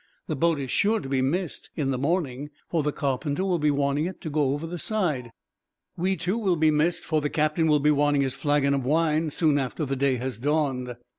The boat is sure to be missed, in the morning, for the carpenter will be wanting it to go over the side. We, too, will be missed, for the captain will be wanting his flagon of wine, soon after the day has dawned."